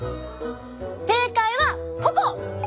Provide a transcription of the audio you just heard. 正解はここ！